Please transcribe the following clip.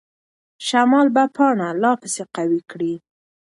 شمال به پاڼه لا پسې قوي کړي.